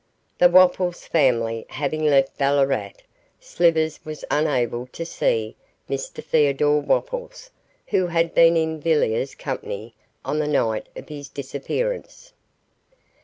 The Wopples Family having left Ballarat, Slivers was unable to see Mr Theodore Wopples, who had been in Villiers' company on the night of his disappearance.